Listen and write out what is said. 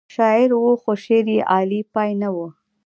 شاعر و خو شعر یې اعلی پای نه و.